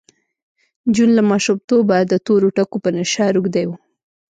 جون له ماشومتوبه د تورو ټکو په نشه روږدی و